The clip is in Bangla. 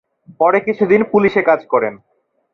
পরে কিছু দিন পুলিশ-এ কাজ করেন।